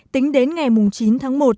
tính đến ngày chín tháng một